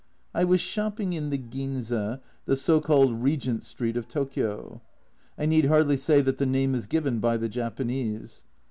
I was shopping in the Ginza the so called "Regent Street" of Tokio. I need hardly say that the name is given by the Japanese.